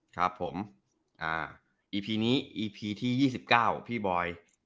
ครับผมอีพีนี้อีพีที่๒๙พี่บอย